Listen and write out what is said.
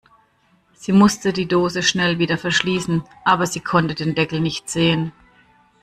Sie musste die Dose schnell wieder verschließen, aber sie konnte den Deckel nicht sehen.